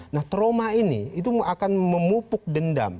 nah trauma ini itu akan memupuk dendam